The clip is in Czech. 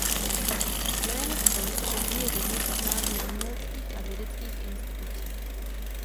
Jméno školy však žije dodnes v názvu uměleckých a vědeckých institucí.